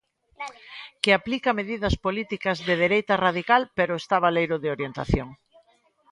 Que aplica medidas políticas de dereita radical pero está baleiro de orientación.